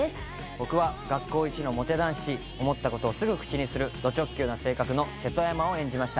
僕は学校イチのモテ男子思ったことをすぐ口にするド直球な性格の瀬戸山を演じました